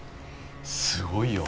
すごいよ！